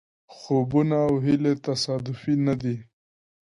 خوبونه او هیلې تصادفي نه دي.